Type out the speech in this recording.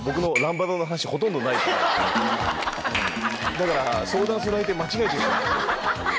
だから相談する相手間違えてるよ。